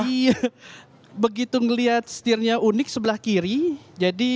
jadi begitu ngelihat stirnya unik sebelah kiri jadi